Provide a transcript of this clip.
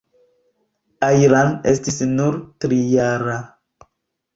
Ajlan estis nur trijara.